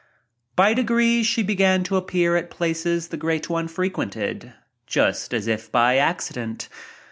By degrees she began to appear at places the Great One frequented— just as if by accident.